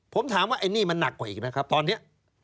ผมถามว่าไอ้นี่มันหนักกว่าอีกไหมครับตอนนี้